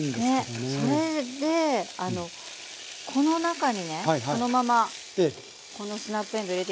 ねっそれでこの中にねこのままこのスナップえんどう入れていきたいんです。